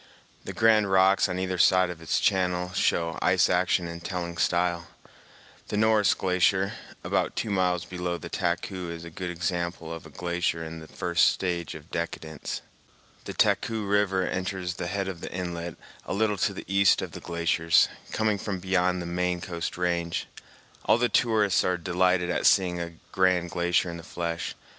The grand rocks on either side of its channel show ice action in telling style. The Norris Glacier, about two miles below the Taku is a good example of a glacier in the first stage of decadence. The Taku River enters the head of the inlet a little to the east of the glaciers, coming from beyond the main coast range. All the tourists are delighted at seeing a grand glacier in the flesh.